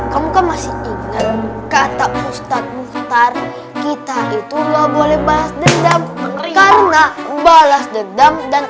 kamu kan masih ingat kata ustadz muhtar kita itu nggak boleh balas dendam karena balas dendam dan